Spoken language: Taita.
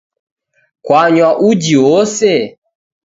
Kwanywa uji w'ose?